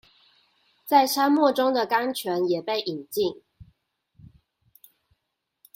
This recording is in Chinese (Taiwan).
在沙漠之中的甘泉也被飲盡